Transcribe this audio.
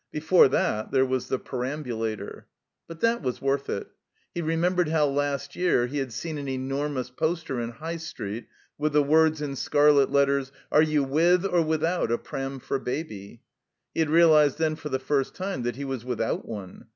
Before that there was the perambulator. But that was worth it. He remembered how last year he had seen an enormous poster in High Street, with the words in scarlet letters: "Are you With or Without a Pram for Baby?" He had realized then for the first time that he was without one.